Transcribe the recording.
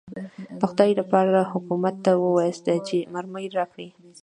د خدای لپاره حکومت ته ووایاست چې مرمۍ راکړي.